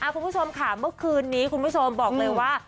คุณผู้ชมค่ะเมื่อคืนนี้บอกเลยว่า